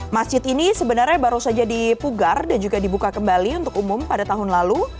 masjid ini sebenarnya baru saja dipugar dan juga dibuka kembali untuk umum pada tahun lalu